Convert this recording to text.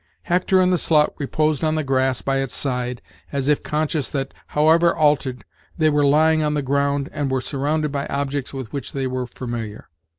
Hector and the slut reposed on the grass by its side, as if conscious that, however altered, they were lying on the ground and were surrounded by objects with which they were familiar.